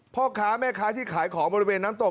พ่อค้าแม่ค้าที่ขายของบริเวณน้ำตก